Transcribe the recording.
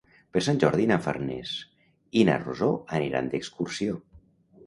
Per Sant Jordi na Farners i na Rosó aniran d'excursió.